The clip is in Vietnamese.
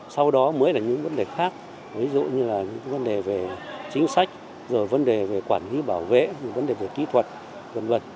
sau đó mới là những vấn đề khác ví dụ như là những vấn đề về chính sách rồi vấn đề về quản lý bảo vệ vấn đề về kỹ thuật v v